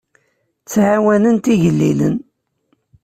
Ttɛawanent igellilen.